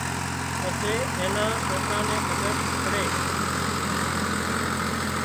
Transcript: پسي اين نان سوڪران نين کٻير پڙي